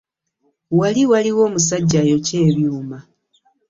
Wali waliwo omusajja ayokya ebyuma.